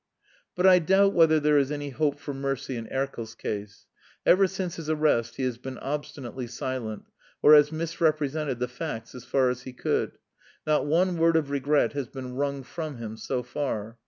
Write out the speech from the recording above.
But I doubt whether there is any hope for mercy in Erkel's case. Ever since his arrest he has been obstinately silent, or has misrepresented the facts as far as he could. Not one word of regret has been wrung from him so far.